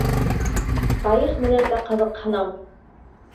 Тарих менән дә ҡыҙыҡһынам.